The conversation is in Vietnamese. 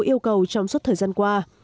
yêu cầu trong suốt thời gian qua